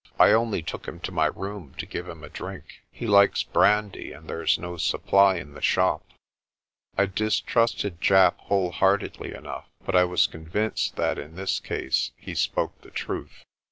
I only took him to my room to give him a drink. He likes brandy, and there's no supply in the shop." I distrusted Japp wholeheartedly enough, but I was con vinced that in this case he spoke the truth.